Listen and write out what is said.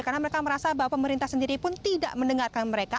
karena mereka merasa bahwa pemerintah sendiri pun tidak mendengarkan mereka